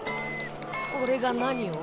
俺が何を？